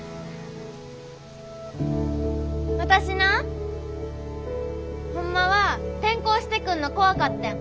私なほんまは転校してくんの怖かってん。